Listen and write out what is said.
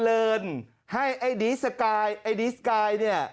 เลินให้ไอ้ดีสกายไอ้ดีสกายเนี่ย